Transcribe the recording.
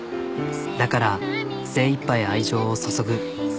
だから精いっぱい愛情を注ぐ。